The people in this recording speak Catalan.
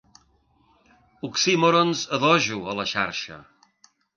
Oxímorons a dojo a la xarxa.